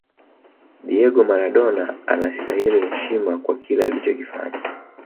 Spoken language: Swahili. diego maradona anasitahili heshima kwa kile alichokifanya